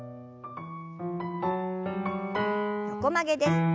横曲げです。